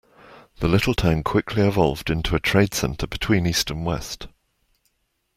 The little town quickly evolved into a trade center between east and west.